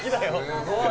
すごい！